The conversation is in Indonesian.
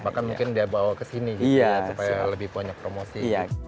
bahkan mungkin dia bawa ke sini gitu ya supaya lebih banyak promosi